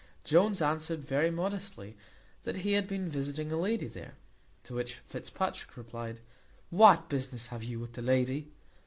Jones answered very modestly, "That he had been visiting a lady there." To which Fitzpatrick replied, "What business have you with the lady?"